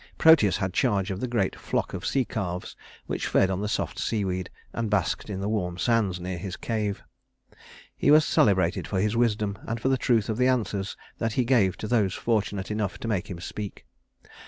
Proteus had charge of the great flock of sea calves which fed on the soft seaweed and basked in the warm sands near his cave. He was celebrated for his wisdom and for the truth of the answers that he gave to those fortunate enough to make him speak.